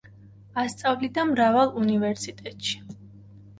ასწავლიდა მრავალ უნივერსიტეტში.